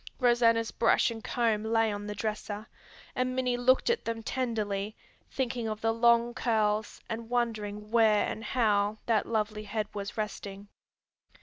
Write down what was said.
Rosanna's brush and comb lay on the dresser, and Minnie looked at them tenderly, thinking of the long curls and wondering where and how that lovely head was resting.